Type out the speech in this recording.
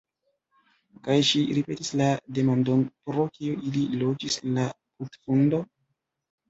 Kaj ŝi ripetis la demandon: "Pro kio ili loĝis en la putfundo?"